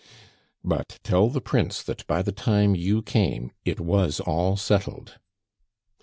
"But tell the Prince that by the time you came it was all settled."